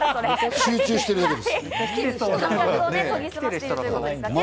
集中してるだけです。